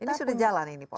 ini sudah jalan ini pos pay